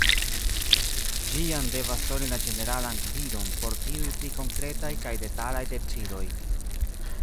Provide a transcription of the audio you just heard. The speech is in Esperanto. Ĝi jam devas doni la ĝeneralan gvidon por tiuj pli konkretaj kaj detalaj decidoj.